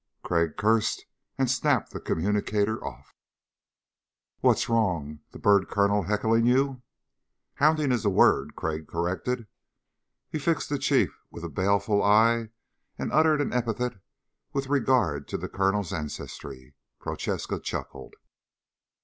Crag cursed and snapped the communicator off. "What's wrong? The bird colonel heckling you?" "Hounding is the word," Crag corrected. He fixed the Chief with a baleful eye and uttered an epithet with regard to the Colonel's ancestry. Prochaska chuckled.